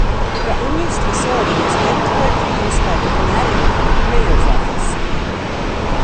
The unused facility was then cleared for use by the Umatac Mayor's Office.